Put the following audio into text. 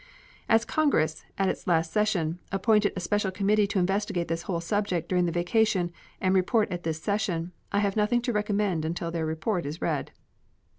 As Congress, at its last session, appointed a special committee to investigate this whole subject during the vacation and report at this session, I have nothing to recommend until their report is read.